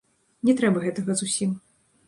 Не трэба гэтага зусім.